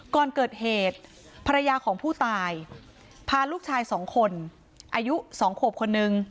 ก่อนเกิดเหตุภรรยาของผู้ตายพาลูกชาย๒คนอายุ๒ขวบคนนึง